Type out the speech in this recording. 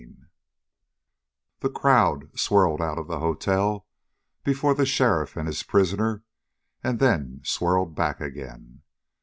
25 The crowd swirled out of the hotel before the sheriff and his prisoner, and then swirled back again.